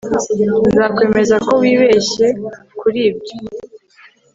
nzakwemeza ko wibeshye kuri ibyo